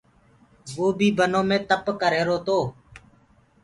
وو بيٚ بنو مي تَپَ ڪريهرو تو